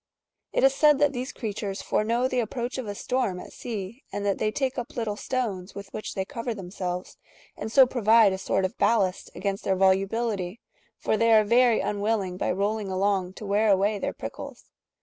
^® It is said ^° that these creatures foreknow the approach of a storm at sea, and that they take up little stones with which they cover^^ themselves, and so provide a sort of ballast against their volu bility, for they are very unwilling by rolling along to wear away their prickles.